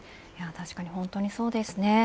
確かに本当にそうですね。